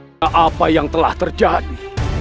tidak ada apa yang telah terjadi